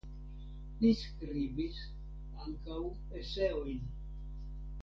Li skribis ankaŭ eseojn.